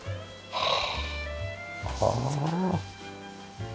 はあ。